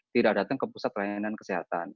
tidak datang ke pusat layanan kesehatan